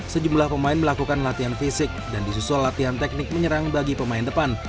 sejumlah pemain melakukan latihan fisik dan disusul latihan teknik menyerang bagi pemain depan